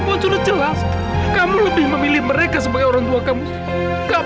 bapak dengerin penjelasan aida aida mohon